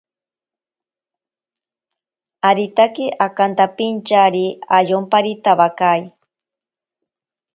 Aritake akantapintyari ayomparitawakai.